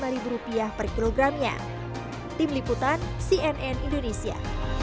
empat puluh lima rupiah per kilogram ya tim liputan cnn indonesia